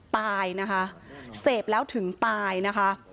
ตายนะคะเสพแล้วถึงตายนะคะ